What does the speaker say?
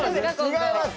違います。